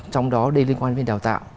trong đó đề liên quan đến đào tạo